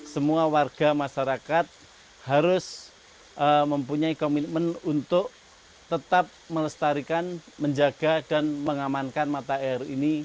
semua warga masyarakat harus mempunyai komitmen untuk tetap melestarikan menjaga dan mengamankan mata air ini